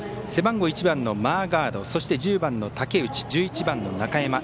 背番号１番のマーガード１０番の武内１１番の中山。